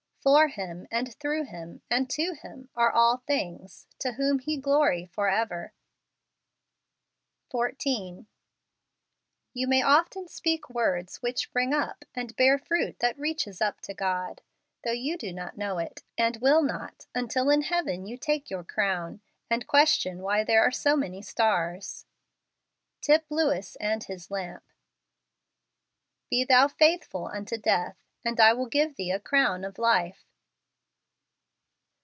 " For of him , and through him , and to him, are all things: to whom be glory forever 14. You may often speak words which spring up, and bear fruit that reaches up to God; though you do not know it, and will not, until in heaven you take your crown, and question why there are so many stars. Tip LewU and His Lamp. " Be thou faithful unto death, and I will give thee a crown of life."